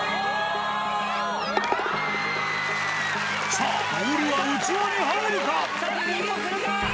さあ、ボールは器に入るか？